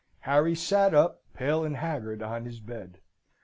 Harry sat up, pale and haggard, on his bed.